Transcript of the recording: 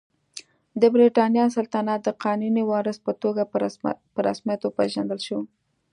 د برېټانیا سلطنت د قانوني وارث په توګه په رسمیت وپېژندل شو.